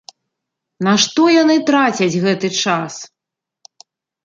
На што яны трацяць гэты час?